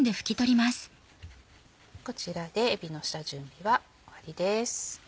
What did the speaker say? こちらでえびの下準備は終わりです。